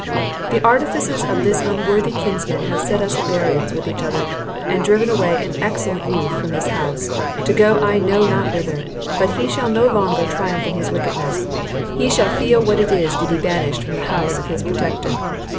The artifices of this unworthy kinsman have set us at variance with each other, and driven away an excellent youth from this house, to go I know not whither; but he shall no longer triumph in his wickedness; he shall feel what it is to be banished from the house of his protector.